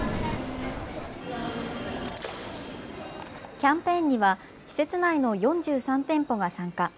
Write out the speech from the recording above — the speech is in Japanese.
キャンペーンには施設内の４３店舗が参加。